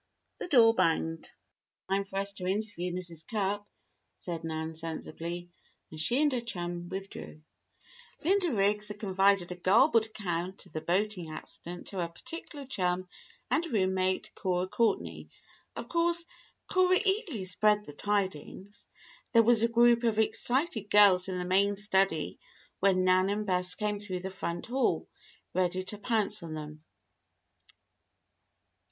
The door banged. "This is no time for us to interview Mrs. Cupp," said Nan, sensibly, and she and her chum withdrew. Linda Riggs had confided a garbled account of the boating accident to her particular chum and roommate, Cora Courtney. Of course, Cora eagerly spread the tidings. There was a group of excited girls in the main study when Nan and Bess came through the front hall, ready to pounce on them.